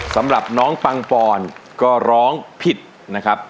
สำหรับน้องปังปอนก็ร้องผิดนะครับ